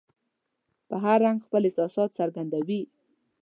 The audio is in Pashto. په هر رنګ خپل احساسات څرګندوي.